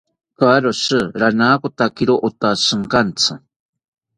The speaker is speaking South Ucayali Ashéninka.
Karoshi ranakotakiro otatzinkantzi